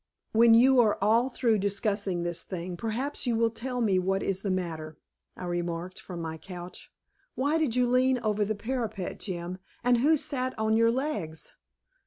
"When you are all through discussing this thing, perhaps you will tell me what is the matter," I remarked from my couch. "Why did you lean over the parapet, Jim, and who sat on your legs?"